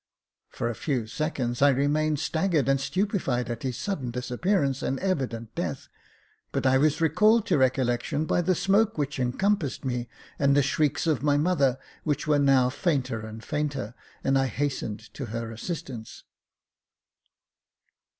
For a few seconds I remained staggered and stupefied at his sudden disappear ance and evident death, but I was recalled to recollection by the smoke which encompassed me, and the shrieks of my mother, which were now fainter and fainter, and I hastened to her assistance.